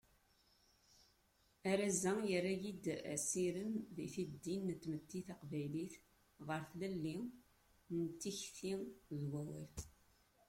Arraz-a, yerra-yi-d asirem deg tiddin n tmetti taqbaylit ɣer tlelli n tikti d wawal.